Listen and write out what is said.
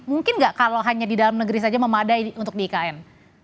mungkin nggak kalau hanya di dalam negeri saja memadai untuk di ikn